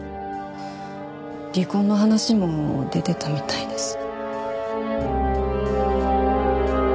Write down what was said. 離婚の話も出ていたみたいです。